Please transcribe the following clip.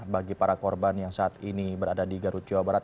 bagi para korban yang saat ini berada di garut jawa barat